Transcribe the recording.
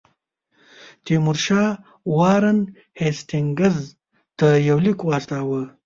تیمورشاه وارن هیسټینګز ته یو لیک واستاوه.